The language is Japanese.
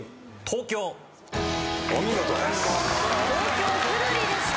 『東京』お見事です。